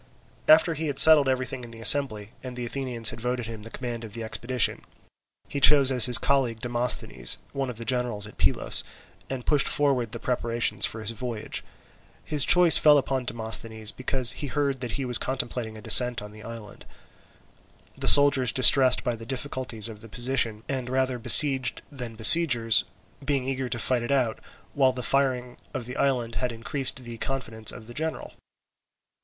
After he had settled everything in the assembly, and the Athenians had voted him the command of the expedition, he chose as his colleague Demosthenes, one of the generals at Pylos, and pushed forward the preparations for his voyage. His choice fell upon Demosthenes because he heard that he was contemplating a descent on the island; the soldiers distressed by the difficulties of the position, and rather besieged than besiegers, being eager to fight it out, while the firing of the island had increased the confidence of the general.